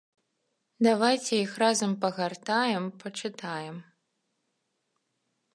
Давайце іх разам пагартаем, пачытаем.